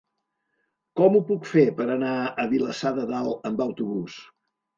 Com ho puc fer per anar a Vilassar de Dalt amb autobús?